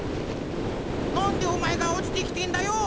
なんでおまえがおちてきてんだよ！